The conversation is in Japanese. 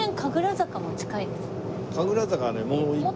神楽坂はねもう一本。